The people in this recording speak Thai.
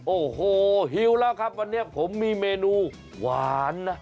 โอ้โหหิวแล้วครับวันนี้ผมมีเมนูหวานนะ